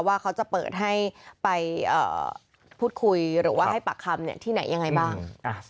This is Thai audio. ว่าเขาจะเปิดให้ไปพูดคุยหรือว่าให้ปากคำที่ไหนยังไงบ้าง